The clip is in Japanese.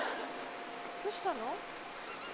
どうしたの？